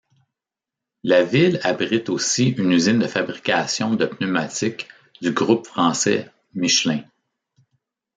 La ville abrite aussi une usine de fabrication de pneumatiques du groupe français Michelin.